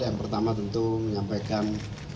yang pertama tentu menyampaikan